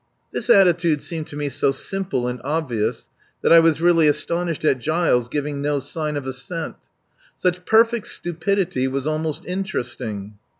This attitude seemed to me so simple and obvious that I was really astonished at Giles giving no sign of assent. Such perfect stupidity was almost interesting.